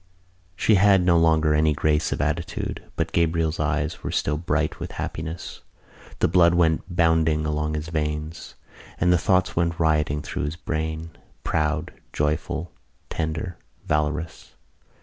She had no longer any grace of attitude but Gabriel's eyes were still bright with happiness. The blood went bounding along his veins; and the thoughts went rioting through his brain, proud, joyful, tender, valorous.